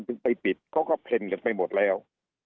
ไปปิดเขาก็เพลินกันไปหมดแล้ว